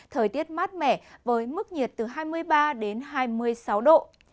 thời tiết mát mẻ với mức nhiệt từ hai mươi ba đến hai mươi sáu độ